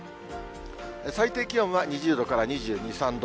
最低気温は２０度から２２、３度。